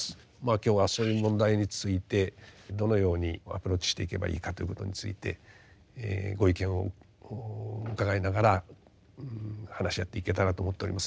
今日はそういう問題についてどのようにアプローチしていけばいいかということについてご意見を伺いながら話し合っていけたらと思っております。